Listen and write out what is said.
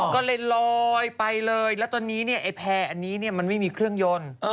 ก็เลยลอยไปเลยแล้วตอนนี้เนี่ยไอ้แพร่อันนี้มันไม่มีเครื่องยนต์